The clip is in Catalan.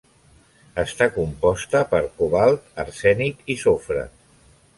Està composta per cobalt, arsènic i sofre.